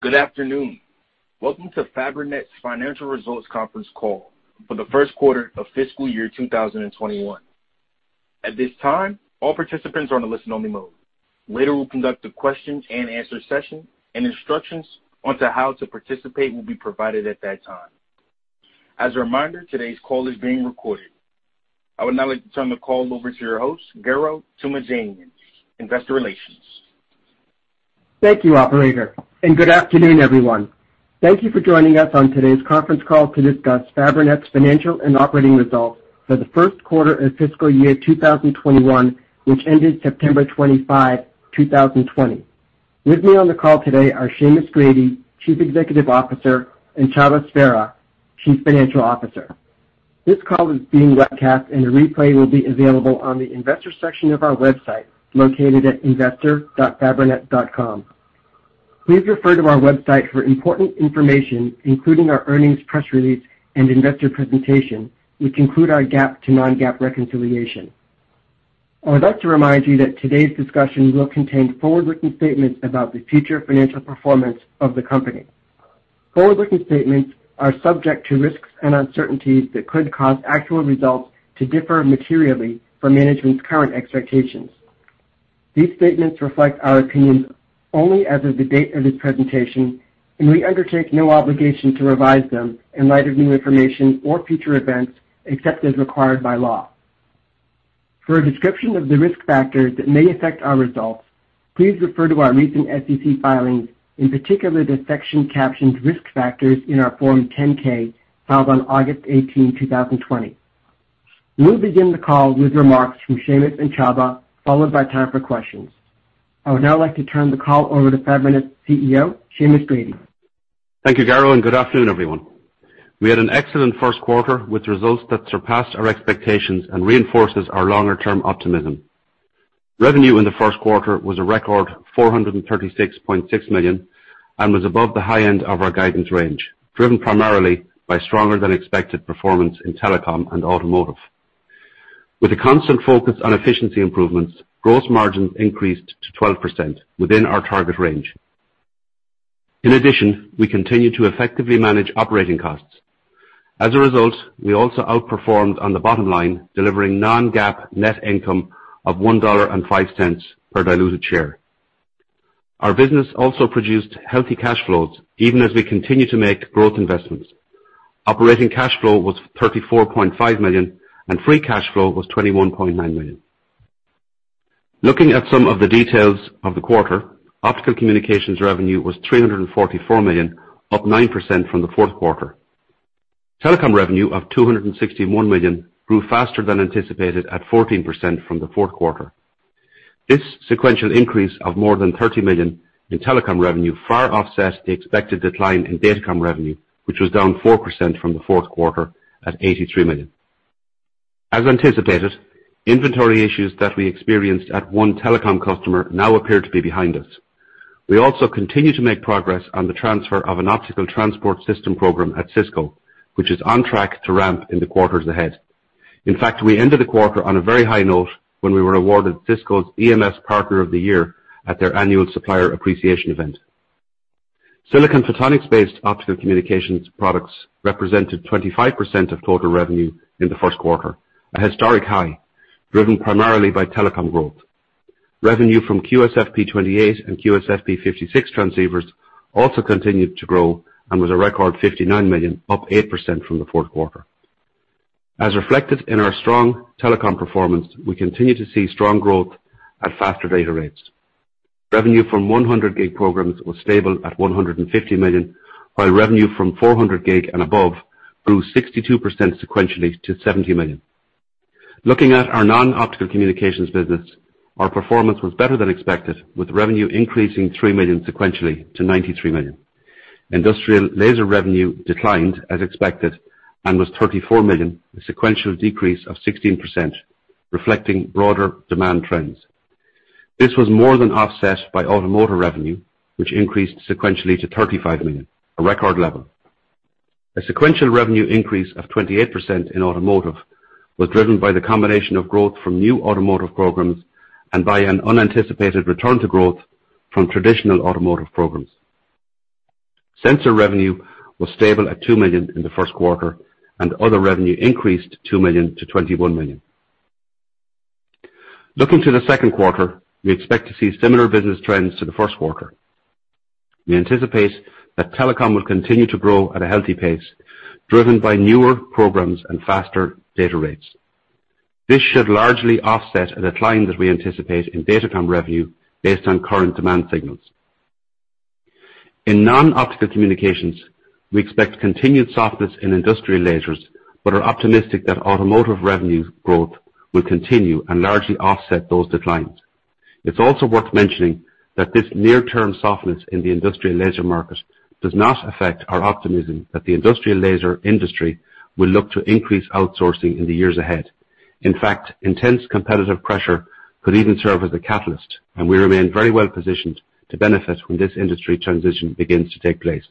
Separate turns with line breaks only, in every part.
Good afternoon. Welcome to Fabrinet's financial results conference call for the first quarter of fiscal year 2021. At this time, all participants are on a listen-only mode. Later, we'll conduct a question and answer session, and instructions on how to participate will be provided at that time. As a reminder, today's call is being recorded. I would now like to turn the call over to your host, Garo Toomajanian, investor relations.
Thank you, operator, and good afternoon, everyone. Thank you for joining us on today's conference call to discuss Fabrinet's financial and operating results for the first quarter of fiscal year 2021, which ended September 25, 2020. With me on the call today are Seamus Grady, Chief Executive Officer, and Csaba Sverha, Chief Financial Officer. This call is being webcast and a replay will be available on the investor section of our website, located at investor.fabrinet.com. Please refer to our website for important information, including our earnings press release and investor presentation, which include our GAAP to non-GAAP reconciliation. I would like to remind you that today's discussion will contain forward-looking statements about the future financial performance of the company. Forward-looking statements are subject to risks and uncertainties that could cause actual results to differ materially from management's current expectations. These statements reflect our opinions only as of the date of this presentation, and we undertake no obligation to revise them in light of new information or future events, except as required by law. For a description of the risk factors that may affect our results, please refer to our recent SEC filings, in particular the section captioned "Risk Factors" in our Form 10-K filed on August 18, 2020. We'll begin the call with remarks from Seamus and Csaba, followed by time for questions. I would now like to turn the call over to Fabrinet's CEO, Seamus Grady.
Thank you, Garo, and good afternoon, everyone. We had an excellent first quarter with results that surpassed our expectations and reinforces our longer-term optimism. Revenue in the first quarter was a record $436.6 million and was above the high end of our guidance range, driven primarily by stronger than expected performance in Telecom and Automotive. With a constant focus on efficiency improvements, gross margins increased to 12%, within our target range. In addition, we continue to effectively manage operating costs. As a result, we also outperformed on the bottom line, delivering non-GAAP net income of $1.05 per diluted share. Our business also produced healthy cash flows, even as we continue to make growth investments. Operating cash flow was $34.5 million, and free cash flow was $21.9 million. Looking at some of the details of the quarter, Optical Communications revenue was $344 million, up 9% from the fourth quarter. Telecom revenue of $261 million grew faster than anticipated at 14% from the fourth quarter. This sequential increase of more than $30 million in Telecom revenue far offset the expected decline in Datacom revenue, which was down 4% from the fourth quarter at $83 million. As anticipated, inventory issues that we experienced at one Telecom customer now appear to be behind us. We also continue to make progress on the transfer of an optical transport system program at Cisco, which is on track to ramp in the quarters ahead. In fact, we ended the quarter on a very high note when we were awarded Cisco's EMS Partner of the Year at their annual supplier appreciation event. Silicon photonics-based Optical Communications products represented 25% of total revenue in the first quarter, a historic high, driven primarily by Telecom growth. Revenue from QSFP28 and QSFP56 transceivers also continued to grow and was a record $59 million, up 8% from the fourth quarter. As reflected in our strong Telecom performance, we continue to see strong growth at faster data rates. Revenue from 100G programs was stable at $150 million, while revenue from 400G and above grew 62% sequentially to $70 million. Looking at our Non-Optical Communications business, our performance was better than expected, with revenue increasing $3 million sequentially to $93 million. Industrial Laser revenue declined as expected and was $34 million, a sequential decrease of 16%, reflecting broader demand trends. This was more than offset by Automotive revenue, which increased sequentially to $35 million, a record level. A sequential revenue increase of 28% in Automotive was driven by the combination of growth from new Automotive programs and by an unanticipated return to growth from traditional Automotive programs. Sensor revenue was stable at $2 million in the first quarter. Other revenue increased $2 million to $21 million. Looking to the second quarter, we expect to see similar business trends to the first quarter. We anticipate that Telecom will continue to grow at a healthy pace, driven by newer programs and faster data rates. This should largely offset a decline that we anticipate in Datacom revenue based on current demand signals. In Non-Optical Communications, we expect continued softness in Industrial Lasers. We are optimistic that Automotive revenue growth will continue and largely offset those declines. It's also worth mentioning that this near-term softness in the Industrial Laser market does not affect our optimism that the Industrial Laser industry will look to increase outsourcing in the years ahead. In fact, intense competitive pressure could even serve as a catalyst, and we remain very well positioned to benefit when this industry transition begins to take place.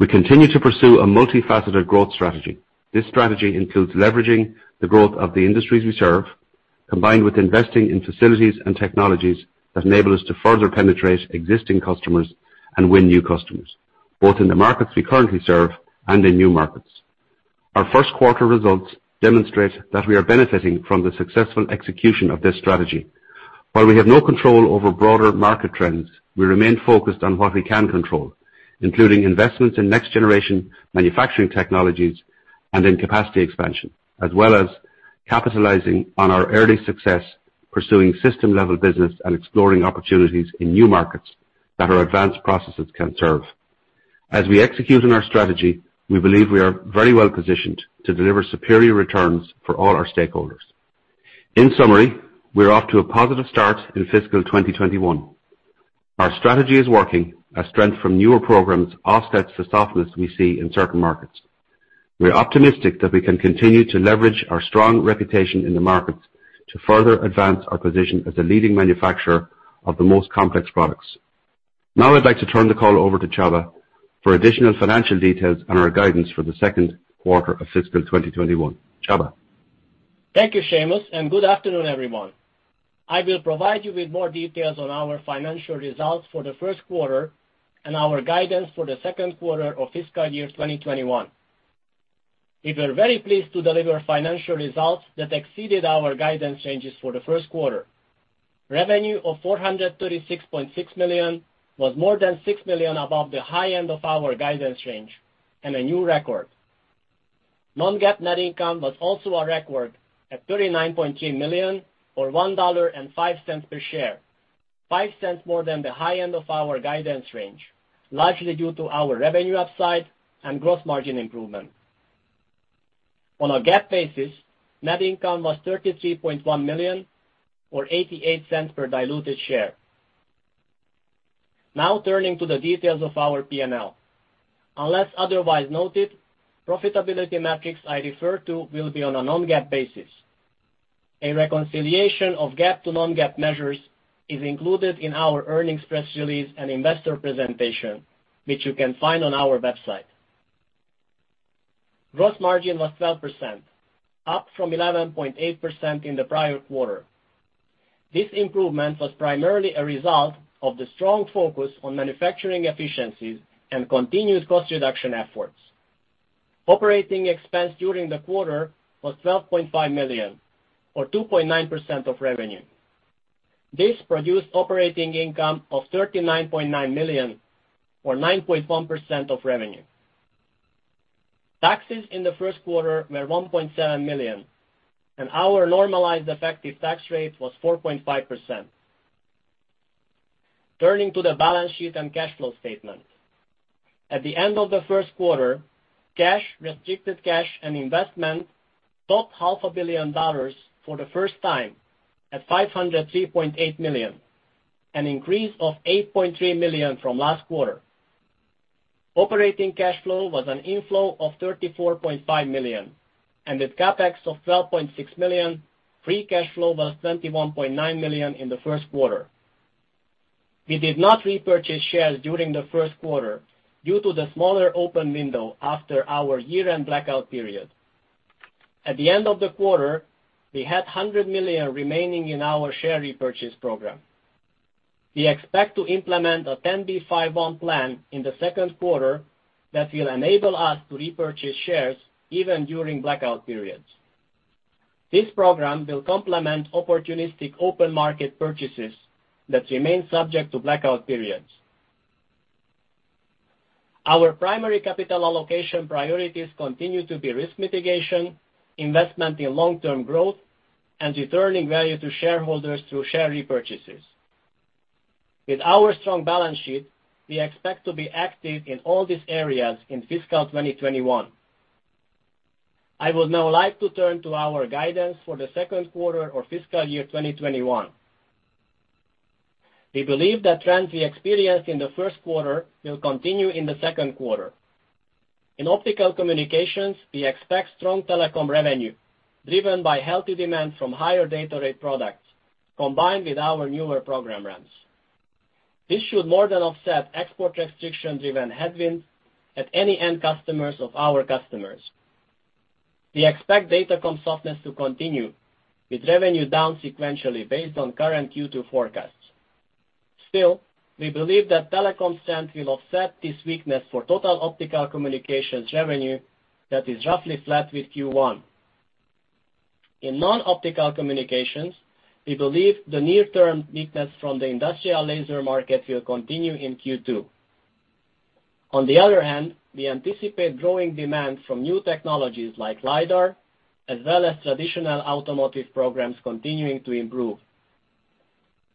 We continue to pursue a multifaceted growth strategy. This strategy includes leveraging the growth of the industries we serve, combined with investing in facilities and technologies that enable us to further penetrate existing customers and win new customers, both in the markets we currently serve and in new markets. Our first quarter results demonstrate that we are benefiting from the successful execution of this strategy. While we have no control over broader market trends, we remain focused on what we can control, including investments in next-generation manufacturing technologies and in capacity expansion, as well as capitalizing on our early success pursuing system-level business and exploring opportunities in new markets that our advanced processes can serve. As we execute on our strategy, we believe we are very well-positioned to deliver superior returns for all our stakeholders. In summary, we're off to a positive start in fiscal 2021. Our strategy is working as strength from newer programs offsets the softness we see in certain markets. We are optimistic that we can continue to leverage our strong reputation in the market to further advance our position as a leading manufacturer of the most complex products. Now I'd like to turn the call over to Csaba for additional financial details and our guidance for the second quarter of fiscal 2021. Csaba.
Thank you, Seamus, and good afternoon, everyone. I will provide you with more details on our financial results for the first quarter and our guidance for the second quarter of fiscal year 2021. We were very pleased to deliver financial results that exceeded our guidance ranges for the first quarter. Revenue of $436.6 million was more than $6 million above the high end of our guidance range and a new record. Non-GAAP net income was also a record at $39.3 million, or $1.05 per share, $0.05 more than the high end of our guidance range, largely due to our revenue upside and gross margin improvement. On a GAAP basis, net income was $33.1 million or $0.88 per diluted share. Turning to the details of our P&L. Unless otherwise noted, profitability metrics I refer to will be on a non-GAAP basis. A reconciliation of GAAP to non-GAAP measures is included in our earnings press release and investor presentation, which you can find on our website. Gross margin was 12%, up from 11.8% in the prior quarter. This improvement was primarily a result of the strong focus on manufacturing efficiencies and continuous cost reduction efforts. Operating expense during the quarter was $12.5 million or 2.9% of revenue. This produced operating income of $39.9 million or 9.1% of revenue. Taxes in the first quarter were $1.7 million. Our normalized effective tax rate was 4.5%. Turning to the balance sheet and cash flow statement. At the end of the first quarter, cash, restricted cash, and investments topped half a billion dollars for the first time at $503.8 million, an increase of $8.3 million from last quarter. Operating cash flow was an inflow of $34.5 million, with CapEx of $12.6 million, free cash flow was $21.9 million in the first quarter. We did not repurchase shares during the first quarter due to the smaller open window after our year-end blackout period. At the end of the quarter, we had $100 million remaining in our share repurchase program. We expect to implement a 10b5-1 plan in the second quarter that will enable us to repurchase shares even during blackout periods. This program will complement opportunistic open market purchases that remain subject to blackout periods. Our primary capital allocation priorities continue to be risk mitigation, investment in long-term growth, and returning value to shareholders through share repurchases. With our strong balance sheet, we expect to be active in all these areas in fiscal 2021. I would now like to turn to our guidance for the second quarter of fiscal year 2021. We believe the trends we experienced in the first quarter will continue in the second quarter. In Optical Communications, we expect strong Telecom revenue, driven by healthy demand from higher data rate products, combined with our newer program ramps. This should more than offset export restriction-driven headwinds at any end customers of our customers. We expect Datacom softness to continue with revenue down sequentially based on current Q2 forecasts. We believe that Telecom strength will offset this weakness for total Optical Communications revenue that is roughly flat with Q1. In Non-Optical Communications, we believe the near-term weakness from the Industrial Laser market will continue in Q2. On the other hand, we anticipate growing demand from new technologies like LiDAR as well as traditional Automotive programs continuing to improve.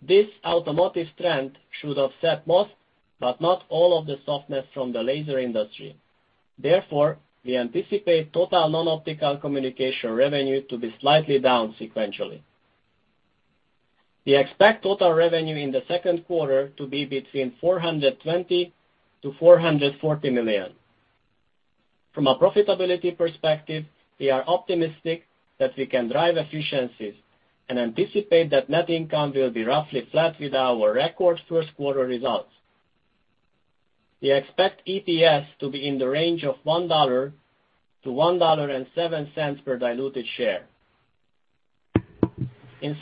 This Automotive trend should offset most, but not all of the softness from the Industrial Laser industry. We anticipate total Non-Optical Communications revenue to be slightly down sequentially. We expect total revenue in the second quarter to be between $420 million-$440 million. From a profitability perspective, we are optimistic that we can drive efficiencies and anticipate that net income will be roughly flat with our record first quarter results. We expect EPS to be in the range of $1-$1.07 per diluted share. We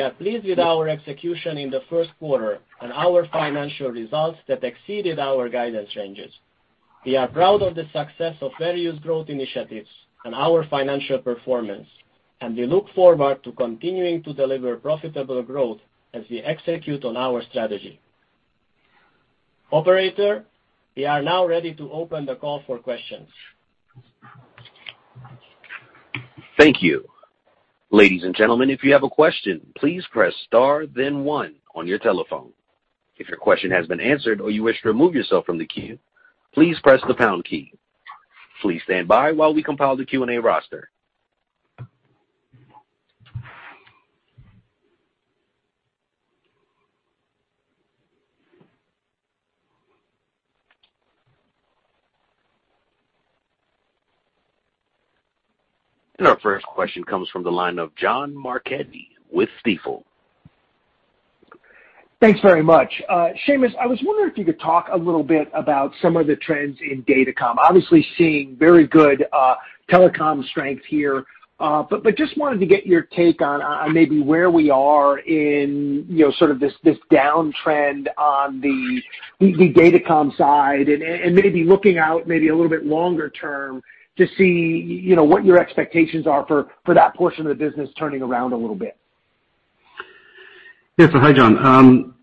are pleased with our execution in the first quarter and our financial results that exceeded our guidance ranges. We are proud of the success of various growth initiatives and our financial performance. We look forward to continuing to deliver profitable growth as we execute on our strategy. Operator, we are now ready to open the call for questions.
Thank you, ladies and gentlemen if you have a question please press star then one on your telephone. If your question has been answered or you wish to remove yourself from the queue, please press the pound key. Please standby while we compile the Q&A roster. Our first question comes from the line of John Marchetti with Stifel.
Thanks very much. Seamus, I was wondering if you could talk a little bit about some of the trends in Datacom. Obviously seeing very good Telecom strength here, but just wanted to get your take on maybe where we are in sort of this downtrend on the Datacom side and maybe looking out maybe a little bit longer-term to see what your expectations are for that portion of the business turning around a little bit.
Yes. Hi, John.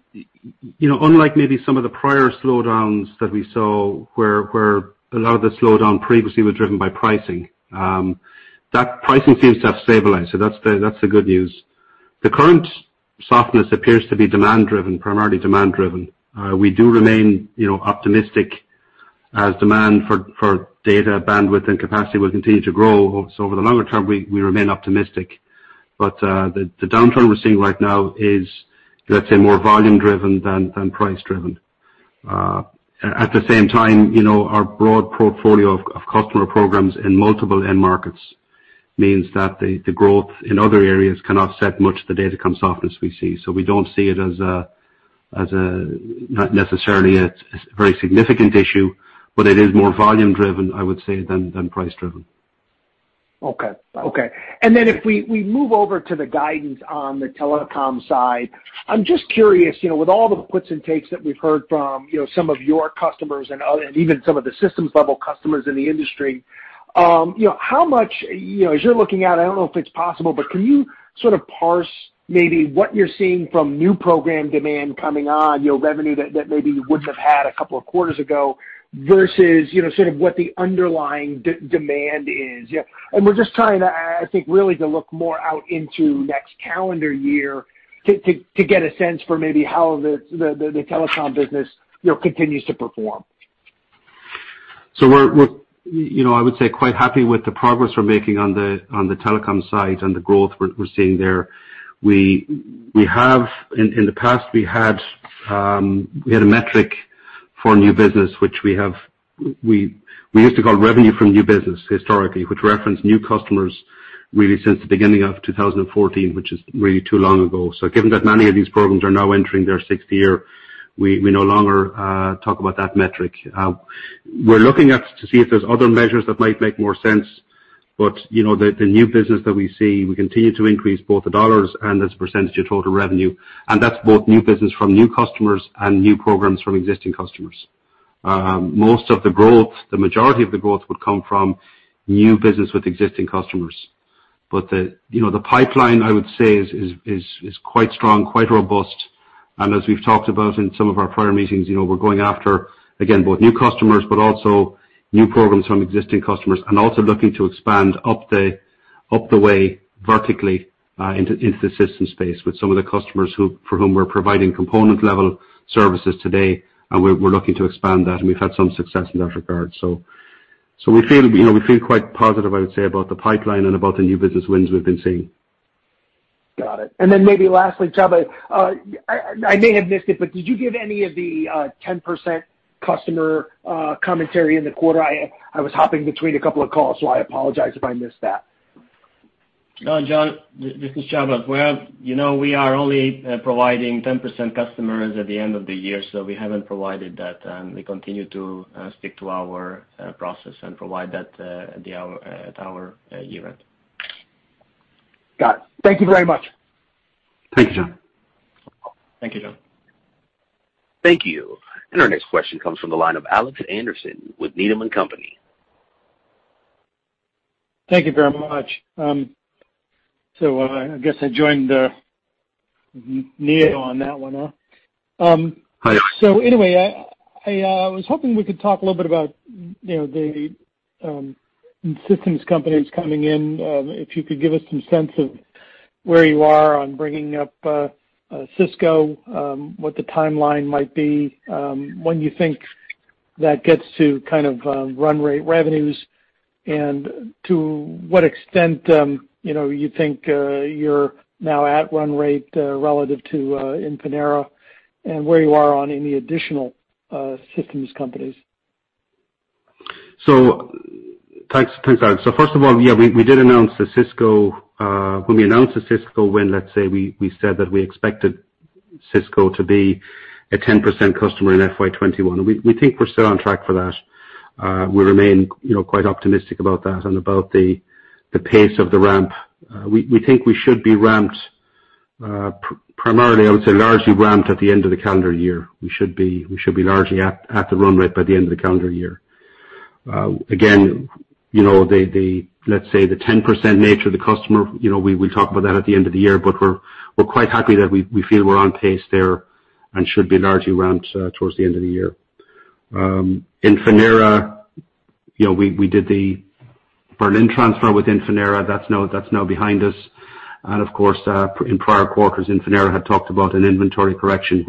Unlike maybe some of the prior slowdowns that we saw where a lot of the slowdown previously was driven by pricing, that pricing seems to have stabilized. That's the good news. The current softness appears to be demand-driven, primarily demand-driven. We do remain optimistic as demand for data bandwidth and capacity will continue to grow. Over the longer-term, we remain optimistic. The downturn we're seeing right now is, let's say, more volume-driven than price-driven. At the same time, our broad portfolio of customer programs in multiple end markets means that the growth in other areas cannot set much the Datacom softness we see. We don't see it as not necessarily a very significant issue, but it is more volume-driven, I would say, than price-driven.
Okay. If we move over to the guidance on the Telecom side, I'm just curious, with all the puts and takes that we've heard from some of your customers and even some of the systems-level customers in the industry, how much, as you're looking at, I don't know if it's possible, but can you sort of parse maybe what you're seeing from new program demand coming on, revenue that maybe you wouldn't have had a couple of quarters ago versus sort of what the underlying demand is? We're just trying to, I think, really to look more out into next calendar year to get a sense for maybe how the Telecom business continues to perform.
We're, I would say, quite happy with the progress we're making on the Telecom side and the growth we're seeing there. In the past, we had a metric for new business, which we used to call revenue from new business historically, which referenced new customers really since the beginning of 2014, which is really too long ago. Given that many of these programs are now entering their sixth year, we no longer talk about that metric. We're looking to see if there's other measures that might make more sense. The new business that we see, we continue to increase both the dollars and as a percentage of total revenue, and that's both new business from new customers and new programs from existing customers. Most of the growth, the majority of the growth would come from new business with existing customers. The pipeline, I would say, is quite strong, quite robust. As we've talked about in some of our prior meetings, we're going after, again, both new customers, but also new programs from existing customers and also looking to expand up the way vertically into the system space with some of the customers for whom we're providing component-level services today, and we're looking to expand that, and we've had some success in that regard. We feel quite positive, I would say, about the pipeline and about the new business wins we've been seeing.
Got it. Then maybe lastly, Csaba, I may have missed it, but did you give any of the 10% customer commentary in the quarter? I was hopping between a couple of calls, so I apologize if I missed that.
No, John, this is Csaba. We are only providing 10% customers at the end of the year, so we haven't provided that. We continue to stick to our process and provide that at our year-end.
Got it. Thank you very much.
Thank you, John.
Thank you, John.
Thank you. Our next question comes from the line of Alex Henderson with Needham & Company.
Thank you very much. I guess I joined Nia on that one, huh?
Hi.
Anyway, I was hoping we could talk a little bit about the systems companies coming in, if you could give us some sense of where you are on bringing up Cisco, what the timeline might be, when you think that gets to kind of run rate revenues. To what extent, you think you're now at run rate relative to Infinera and where you are on any additional systems companies?
So thanks, Alex. First of all, when we announced the Cisco win, we said that we expected Cisco to be a 10% customer in FY 2021. We think we're still on track for that. We remain quite optimistic about that and about the pace of the ramp. We think we should be ramped primarily, largely ramped at the end of the calendar year. We should be largely at the run rate by the end of the calendar year. Again, the 10% nature of the customer, we talk about that at the end of the year, but we're quite happy that we feel we're on pace there and should be largely ramped towards the end of the year. Infinera, we did the Berlin transfer with Infinera, that's now behind us. Of course, in prior quarters, Infinera had talked about an inventory correction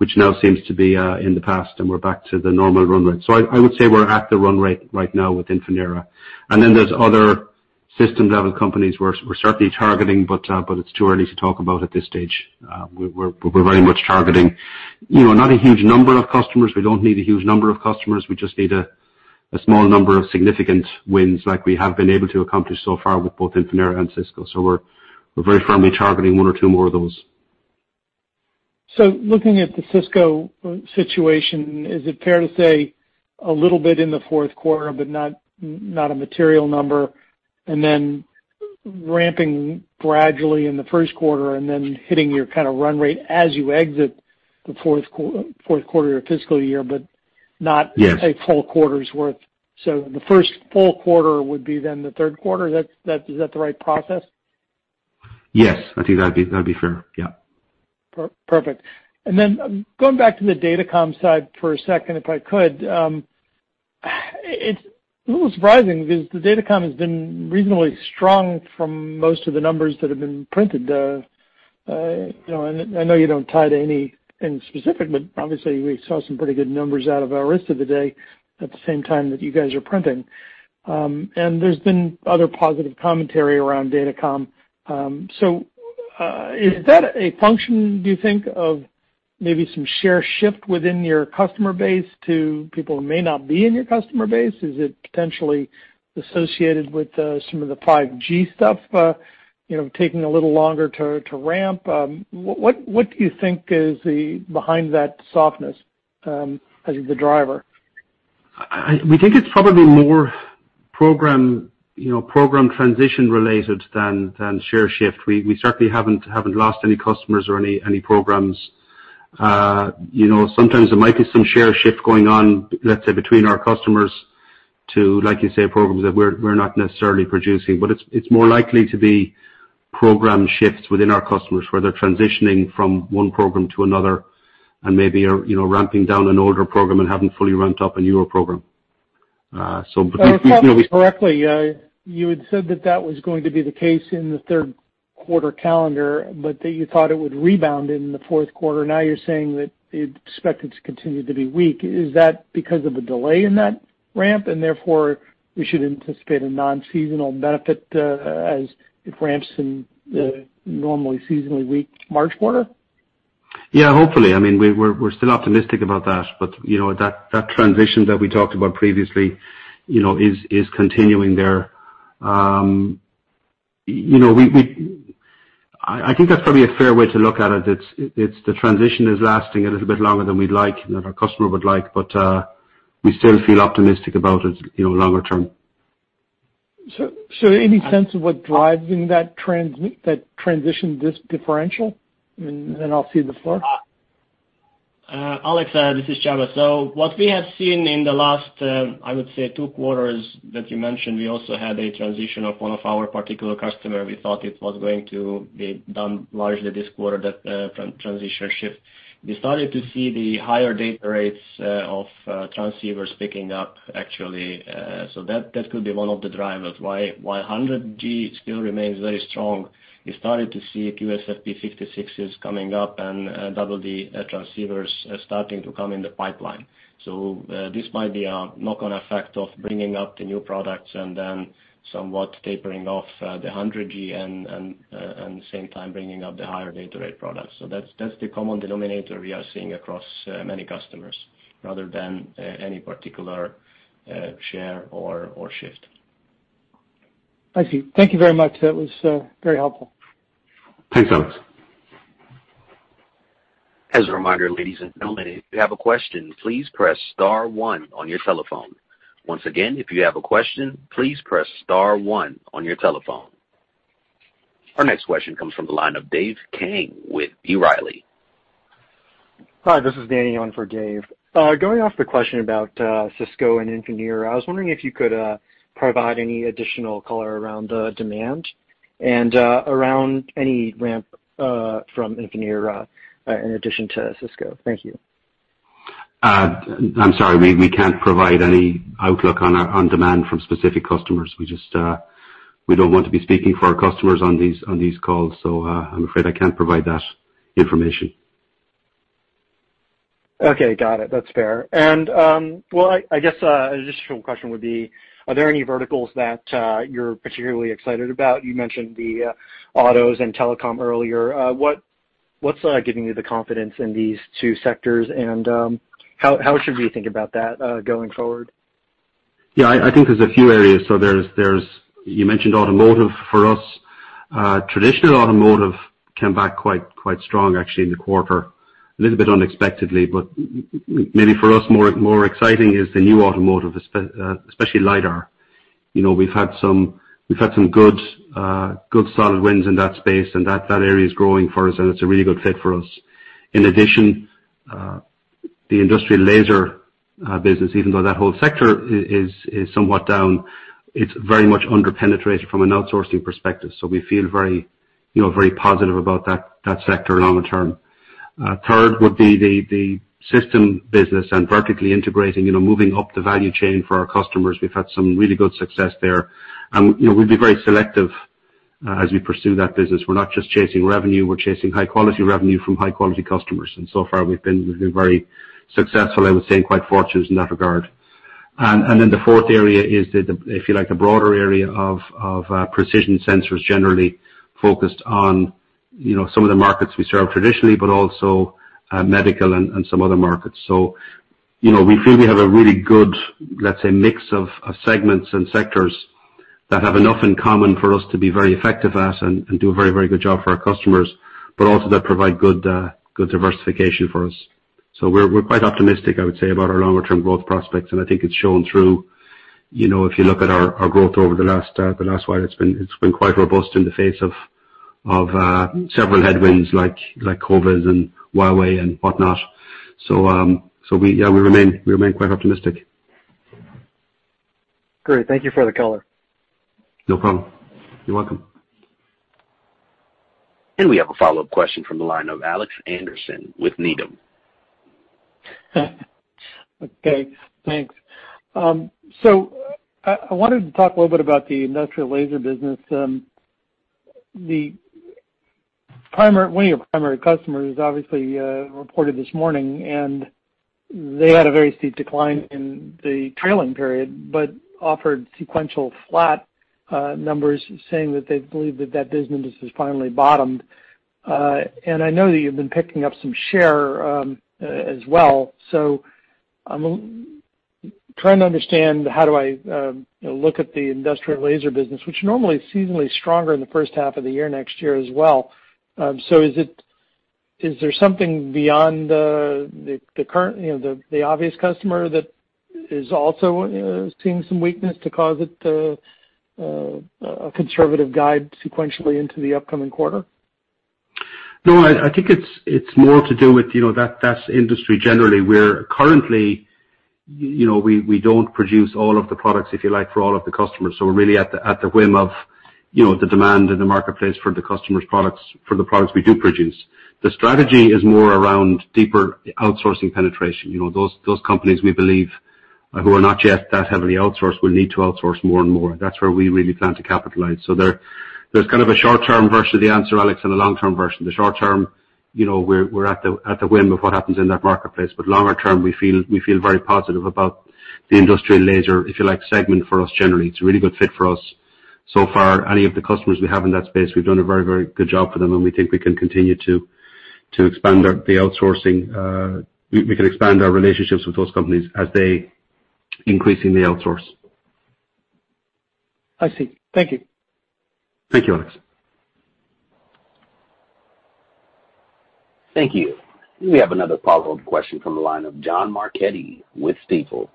which now seems to be in the past, and we're back to the normal run rate. I would say we're at the run rate right now with Infinera. There's other system-level companies we're certainly targeting, but it's too early to talk about at this stage. We're very much targeting not a huge number of customers. We don't need a huge number of customers. We just need a small number of significant wins like we have been able to accomplish so far with both Infinera and Cisco. We're very firmly targeting one or two more of those.
Looking at the Cisco situation, is it fair to say a little bit in the fourth quarter, but not a material number, and then ramping gradually in the first quarter and then hitting your kind of run rate as you exit the fourth quarter of your fiscal year.
Yes
a full quarter's worth. The first full quarter would be then the third quarter. Is that the right process?
Yes, I think that'd be fair. Yeah.
Perfect. Then going back to the Datacom side for a second, if I could. It's a little surprising because the Datacom has been reasonably strong from most of the numbers that have been printed. I know you don't tie to any in specific, but obviously we saw some pretty good numbers out of the rest of the day at the same time that you guys are printing. There's been other positive commentary around Datacom. Is that a function, do you think, of maybe some share shift within your customer base to people who may not be in your customer base? Is it potentially associated with some of the 5G stuff taking a little longer to ramp? What do you think is behind that softness as the driver?
We think it's probably more program transition related than share shift. We certainly haven't lost any customers or any programs. Sometimes there might be some share shift going on, let's say, between our customers to, like you say, programs that we're not necessarily producing. It's more likely to be program shifts within our customers where they're transitioning from one program to another and maybe are ramping down an older program and haven't fully ramped up a newer program.
If I recall correctly, you had said that that was going to be the case in the third quarter calendar, but that you thought it would rebound in the fourth quarter. Now you're saying that you expect it to continue to be weak. Is that because of a delay in that ramp and therefore we should anticipate a non-seasonal benefit as it ramps in the normally seasonally weak March quarter?
Yeah, hopefully. I mean, we're still optimistic about that. That transition that we talked about previously is continuing there. I think that's probably a fair way to look at it. The transition is lasting a little bit longer than we'd like and that our customer would like, but we still feel optimistic about it longer-term.
Any sense of what driving that transition, this differential? I'll cede the floor.
Alex, this is Csaba. What we have seen in the last, I would say, two quarters that you mentioned, we also had a transition of one of our particular customer. We thought it was going to be done largely this quarter, that transition shift. We started to see the higher data rates of transceivers picking up actually. That could be one of the drivers why 100G still remains very strong. We started to see QSFP56s coming up and double-D transceivers starting to come in the pipeline. This might be a knock-on effect of bringing up the new products and then somewhat tapering off the 100G and, at the same time, bringing up the higher data rate products. That's the common denominator we are seeing across many customers rather than any particular share or shift.
Thank you. Thank you very much. That was very helpful.
Thanks, Alex.
As a reminder, ladies and gentlemen, if you have a question, please press star one on your telephone. Once again, if you have a question, please press star one on your telephone. Our next question comes from the line of Dave Kang with B. Riley.
Hi, this is Danny on for Dave. Going off the question about Cisco and Infinera, I was wondering if you could provide any additional color around the demand and around any ramp from Infinera in addition to Cisco. Thank you.
I'm sorry. We can't provide any outlook on demand from specific customers. We don't want to be speaking for our customers on these calls, so I'm afraid I can't provide that information.
Okay, got it. That's fair. Well, I guess an additional question would be, are there any verticals that you're particularly excited about? You mentioned the Automotive and Telecom earlier. What's giving you the confidence in these two sectors, and how should we think about that going forward?
I think there's a few areas. There's, you mentioned Automotive for us. Traditional Automotive came back quite strong actually in the quarter, a little bit unexpectedly, but maybe for us, more exciting is the new Automotive, especially LiDAR. We've had some good solid wins in that space, and that area is growing for us, and it's a really good fit for us. In addition, the Industrial Laser business, even though that whole sector is somewhat down, it's very much under-penetrated from an outsourcing perspective. We feel very positive about that sector longer-term. Third would be the system business and vertically integrating, moving up the value chain for our customers. We've had some really good success there. We'll be very selective as we pursue that business. We're not just chasing revenue, we're chasing high-quality revenue from high-quality customers. So far, we've been very successful, I would say, and quite fortunate in that regard. Then the fourth area is the, if you like, a broader area of precision sensors, generally focused on some of the markets we serve traditionally, but also medical and some other markets. We feel we have a really good, let's say, mix of segments and sectors that have enough in common for us to be very effective at and do a very good job for our customers, but also that provide good diversification for us. We're quite optimistic, I would say, about our longer-term growth prospects, and I think it's shown through. If you look at our growth over the last while, it's been quite robust in the face of several headwinds like COVID and Huawei and whatnot. We, yeah, we remain quite optimistic.
Great. Thank you for the color.
No problem. You're welcome.
We have a follow-up question from the line of Alex Henderson with Needham.
Okay, thanks. I wanted to talk a little bit about the Industrial Laser business. One of your primary customers obviously reported this morning, and they had a very steep decline in the trailing period, but offered sequential flat numbers, saying that they believe that that business has finally bottomed. And I know that you've been picking up some share as well. I'm trying to understand how do I look at the Industrial Laser business, which normally is seasonally stronger in the first half of the year next year as well. Is there something beyond the obvious customer that is also seeing some weakness to cause a conservative guide sequentially into the upcoming quarter?
No, I think it's more to do with that industry generally, where currently we don't produce all of the products, if you like, for all of the customers. We're really at the whim of the demand in the marketplace for the customers' products, for the products we do produce. The strategy is more around deeper outsourcing penetration. Those companies we believe who are not yet that heavily outsourced will need to outsource more and more. That's where we really plan to capitalize. There's kind of a short-term version of the answer, Alex Henderson, and a long-term version. The short term, we're at the whim of what happens in that marketplace, but longer-term, we feel very positive about the Industrial Laser, if you like, segment for us generally. It's a really good fit for us so far. Any of the customers we have in that space, we've done a very good job for them, and we think we can continue to expand the outsourcing. We can expand our relationships with those companies as they increasingly outsource.
I see. Thank you.
Thank you, Alex.
Thank you. We have another follow-up question from the line of John Marchetti with Stifel.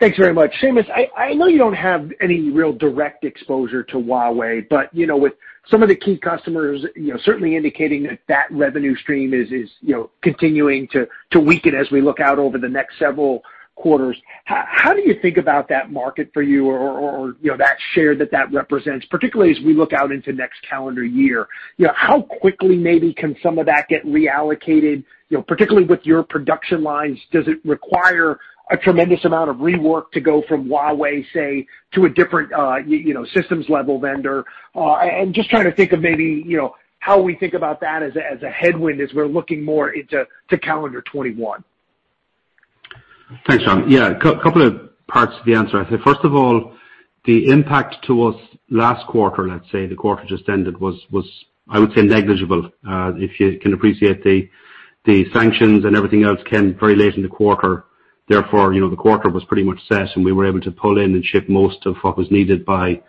Thanks very much. Seamus, I know you don't have any real direct exposure to Huawei, with some of the key customers certainly indicating that that revenue stream is continuing to weaken as we look out over the next several quarters, how do you think about that market for you or that share that that represents, particularly as we look out into next calendar year? How quickly maybe can some of that get reallocated, particularly with your production lines? Does it require a tremendous amount of rework to go from Huawei, say, to a different systems-level vendor? Just trying to think of maybe how we think about that as a headwind as we're looking more into calendar 2021.
Thanks, John. A couple of parts to the answer. I think, first of all, the impact to us last quarter, let's say, the quarter just ended, was, I would say, negligible. If you can appreciate the sanctions and everything else came very late in the quarter, therefore the quarter was pretty much set, and we were able to pull in and ship most of what was needed by,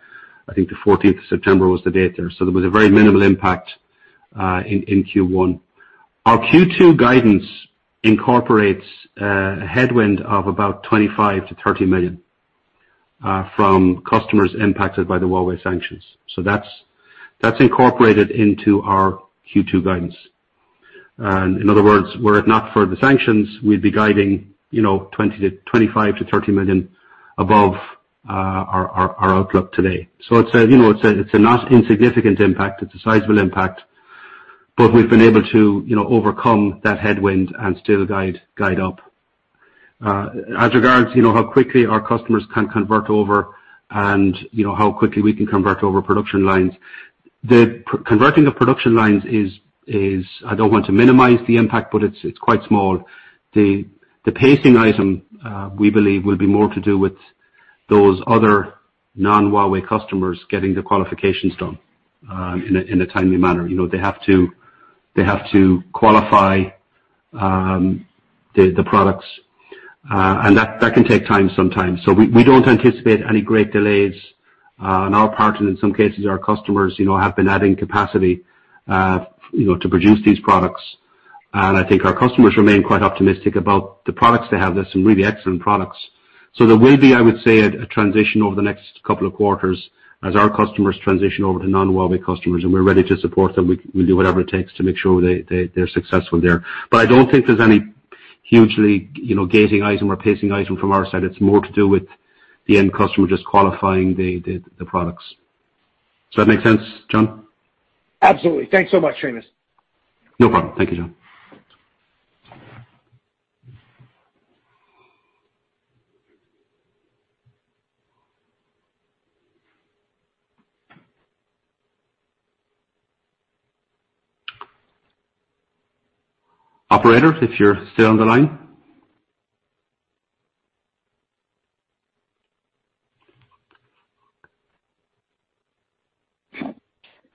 I think the 14th of September was the date there. There was a very minimal impact in Q1. Our Q2 guidance incorporates a headwind of about $25 million to $30 million from customers impacted by the Huawei sanctions. That's incorporated into our Q2 guidance. In other words, were it not for the sanctions, we'd be guiding $25 million to $30 million above our outlook today. It's a not insignificant impact. It's a sizable impact, but we've been able to overcome that headwind and still guide up. As regards how quickly our customers can convert over and how quickly we can convert over production lines. Converting the production lines is, I don't want to minimize the impact, but it's quite small. The pacing item, we believe will be more to do with those other non-Huawei customers getting the qualifications done in a timely manner. They have to qualify the products and that can take time sometimes. We don't anticipate any great delays on our part and in some cases, our customers have been adding capacity to produce these products. I think our customers remain quite optimistic about the products they have. They have some really excellent products. There will be, I would say, a transition over the next couple of quarters as our customers transition over to non-Huawei customers, and we're ready to support them. We'll do whatever it takes to make sure they're successful there. I don't think there's any hugely gating item or pacing item from our side. It's more to do with the end customer just qualifying the products. Does that make sense, John?
Absolutely. Thanks so much, Seamus.
No problem. Thank you, John. Operator, if you're still on the line.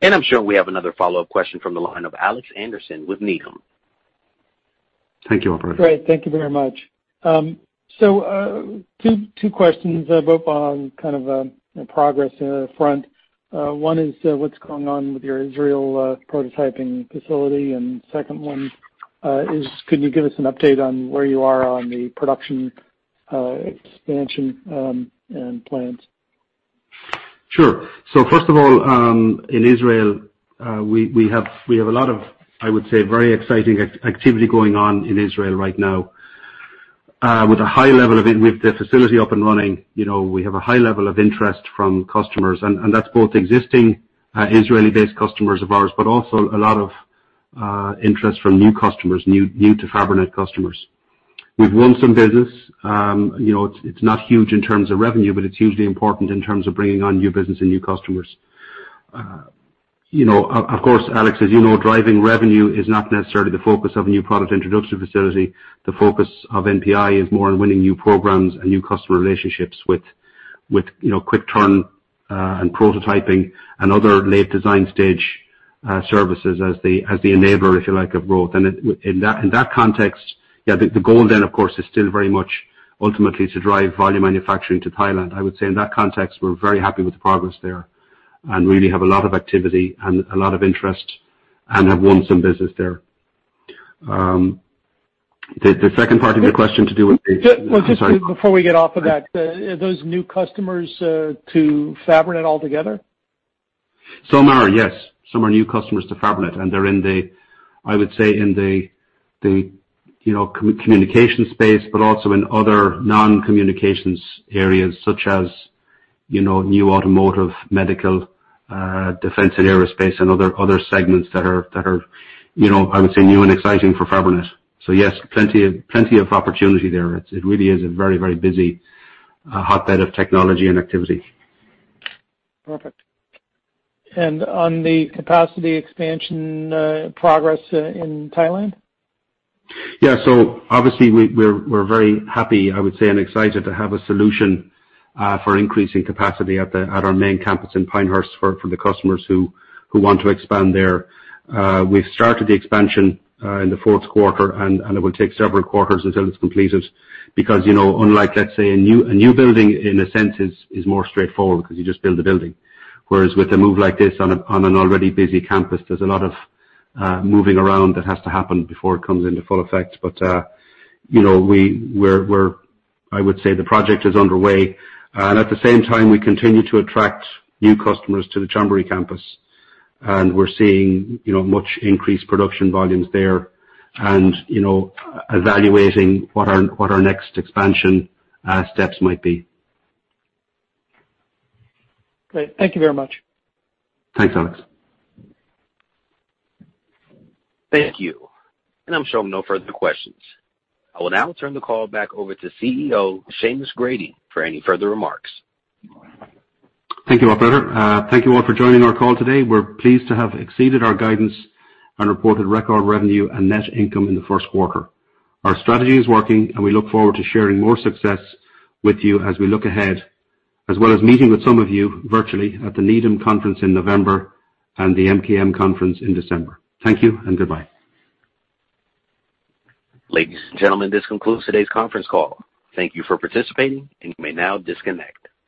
I'm showing we have another follow-up question from the line of Alex Henderson with Needham.
Thank you, operator.
Great. Thank you very much. Two questions both on kind of progress front. One is what's going on with your Israel prototyping facility, and second one is could you give us an update on where you are on the production expansion and plans?
Sure. First of all, in Israel, we have a lot of, I would say, very exciting activity going on in Israel right now. With the facility up and running, we have a high level of interest from customers, and that's both existing Israeli-based customers of ours, but also a lot of interest from new customers, new to Fabrinet customers. We've won some business. It's not huge in terms of revenue, but it's hugely important in terms of bringing on new business and new customers. Of course, Alex, as you know, driving revenue is not necessarily the focus of a new product introduction facility. The focus of NPI is more on winning new programs and new customer relationships with quick turn and prototyping and other late design stage services as the enabler, if you like, of growth. In that context, yeah, the goal then, of course, is still very much ultimately to drive volume manufacturing to Thailand. I would say in that context, we're very happy with the progress there and really have a lot of activity and a lot of interest and have won some business there. The second part of your question to do with-
Just before we get off of that, are those new customers to Fabrinet altogether?
Some are, yes. Some are new customers to Fabrinet, and they're in the communication space, but also in other non-communications areas such as new Automotive, Medical, Defense, and Aerospace, and other segments that are, I would say, new and exciting for Fabrinet. Yes, plenty of opportunity there. It really is a very busy hotbed of technology and activity.
Perfect. On the capacity expansion progress in Thailand?
Yeah. Obviously we're very happy, I would say, and excited to have a solution for increasing capacity at our main campus in Pinehurst for the customers who want to expand there. We've started the expansion in the fourth quarter, and it will take several quarters until it's completed because unlike, let's say, a new building in a sense is more straightforward because you just build a building. Whereas with a move like this on an already busy campus, there's a lot of moving around that has to happen before it comes into full effect. I would say the project is underway, and at the same time, we continue to attract new customers to the Chonburi Campus, and we're seeing much increased production volumes there and evaluating what our next expansion steps might be.
Great. Thank you very much.
Thanks, Alex.
Thank you. I'm showing no further questions. I will now turn the call back over to CEO, Seamus Grady, for any further remarks.
Thank you, operator. Thank you all for joining our call today. We're pleased to have exceeded our guidance and reported record revenue and net income in the first quarter. Our strategy is working, and we look forward to sharing more success with you as we look ahead, as well as meeting with some of you virtually at the Needham conference in November and the MKM Conference in December. Thank you and goodbye.
Ladies and gentlemen, this concludes today's conference call. Thank you for participating, and you may now disconnect.